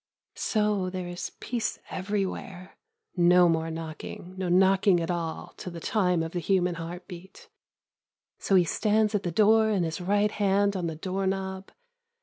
So there is peace everywhere ... no more knocking ... no knocking at all to the time of the human heart beat ... so he stands at the door and his right hand on the door knob.